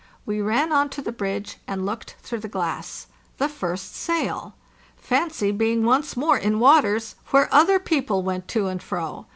We ran on to the bridge and looked through the glass. The first sail. Fancy being once more in waters where other people went to and fro!